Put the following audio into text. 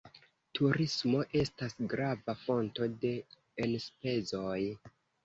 Turismo estas grava fonto de enspezoj.